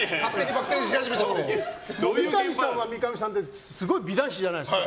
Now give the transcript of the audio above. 三上さんは、三上さんですごい美男子じゃないですか。